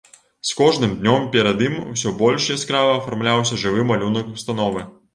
З кожным днём перад ім усё больш яскрава афармляўся жывы малюнак установы.